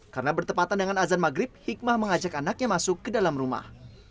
karena bertepatan dengan azan maghrib hikmah mengajak anaknya masuk ke dalam rumah